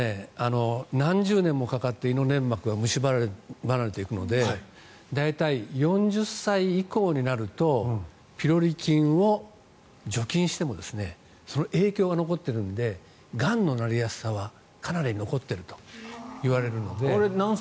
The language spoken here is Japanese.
何十年もかかって胃の粘膜がむしばまれていくので大体、４０歳以降になるとピロリ菌を除菌してもその影響が残っているのでがんのなりやすさはかなり残っているといわれるので。